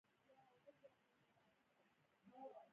مسلکي مشورې باید اړوندو ادارو ته ورکړل شي.